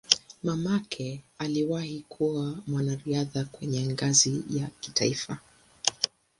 Mamake aliwahi kuwa mwanariadha kwenye ngazi ya kitaifa.